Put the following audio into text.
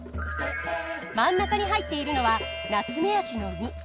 真ん中に入っているのはナツメヤシの実。